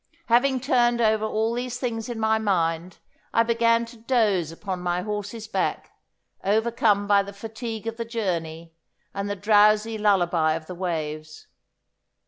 Having turned over all these things in my mind I began to doze upon my horse's back, overcome by the fatigue of the journey and the drowsy lullaby of the waves.